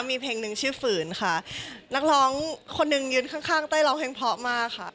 มีเพลงหนึ่งชื่อฝืนค่ะนักร้องคนหนึ่งยืนข้างข้างเต้ยร้องเพลงเพราะมากค่ะ